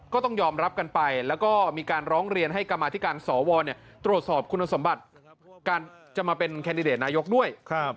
ก็ต้องยอมรับกันไปแล้วก็มีการร้องเรียนให้กรรมาธิการสวตรวจสอบคุณสมบัติการจะมาเป็นแคนดิเดตนายกด้วย